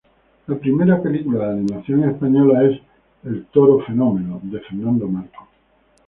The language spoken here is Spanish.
La primera película de animación española es "El toro fenómeno" de Fernando Marco.